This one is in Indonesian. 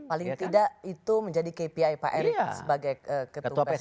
paling tidak itu menjadi kpi pak erick sebagai ketua pssi